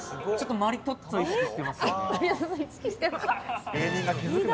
マリトッツォを意識してますよね。